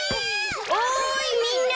おいみんな。